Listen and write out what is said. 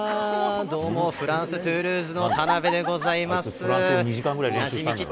どうも、フランス・トゥールーズの田辺でございます。